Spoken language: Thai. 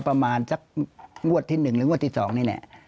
ประมาณสักงวดที่๑หรืองวดที่๒นี่แหละ